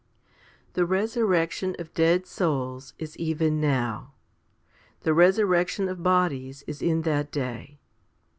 i. THE resurrection of dead souls is even now. The resurrection of bodies is in that day.